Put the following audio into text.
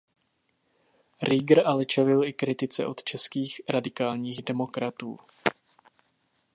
Rieger ale čelil i kritice od českých radikálních demokratů.